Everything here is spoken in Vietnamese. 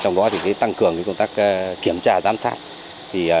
trong đó tăng cường công tác kiểm tra giám sát